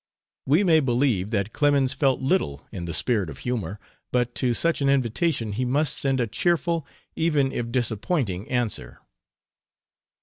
We may believe that Clemens felt little in the spirit of humor, but to such an invitation he must send a cheerful, even if disappointing, answer.